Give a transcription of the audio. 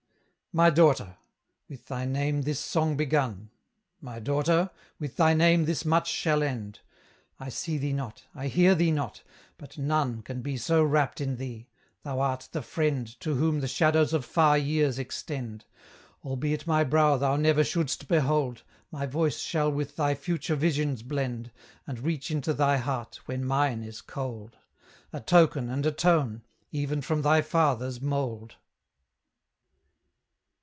My daughter! with thy name this song begun My daughter! with thy name this much shall end I see thee not, I hear thee not, but none Can be so wrapt in thee; thou art the friend To whom the shadows of far years extend: Albeit my brow thou never shouldst behold, My voice shall with thy future visions blend, And reach into thy heart, when mine is cold, A token and a tone, even from thy father's mould.